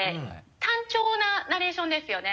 単調なナレーションですよね。